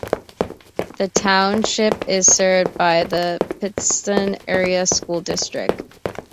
The township is served by the Pittston Area School District.